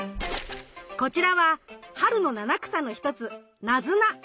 こちらは春の七草の一つナズナ。